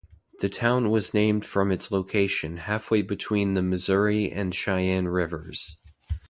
The town was named from its location halfway between the Missouri and Cheyenne rivers.